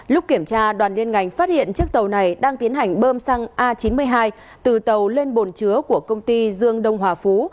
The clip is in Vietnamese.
lúc kiểm tra đoàn liên ngành phát hiện chiếc tàu này đang tiến hành bơm xăng a chín mươi hai từ tàu lên bồn chứa của công ty dương đông hòa phú